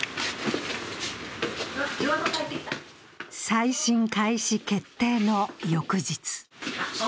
再審開始決定の翌日。